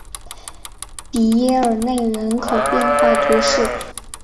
比耶尔内人口变化图示